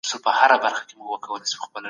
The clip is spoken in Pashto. چې لار ورکي ته لار وښيو.